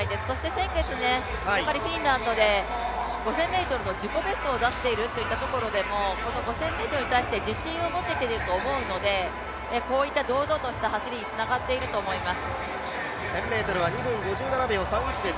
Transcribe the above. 先月、フィンランドで５０００ｍの自己ベストを出しているといったところでも、この５０００ｍに対して自信を持てているのと思うので、こういった堂々とした走りになっていると思います。